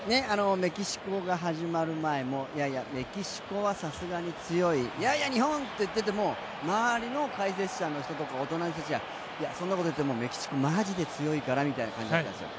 メキシコ戦が始まる前いやいや、メキシコはさすがに強いいやいや、日本って言ってても周りの解説者の人とか大人の人たちはそんなこと言ってもメキシコ、マジで強いからって感じだったんですよ。